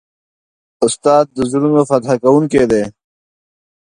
استاد د زړونو فتح کوونکی دی.